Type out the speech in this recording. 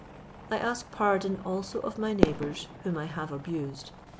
I ask pardon also of my neighbours whom I have abused.